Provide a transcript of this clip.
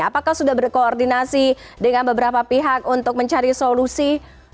apakah sudah berkoordinasi dengan beberapa pihak untuk mencari solusi